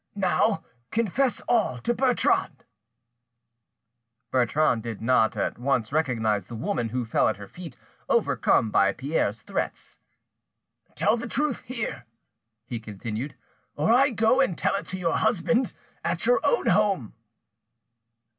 Now, confess all to Bertrande!" Bertrande did not at once recognise the woman, who fell at her feet, overcome by Pierre's threats. "Tell the truth here," he continued, "or I go and tell it to your husband, at your own home!"